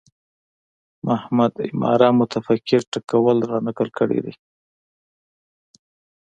محمد عماره متفکر ټکول رانقل کړی دی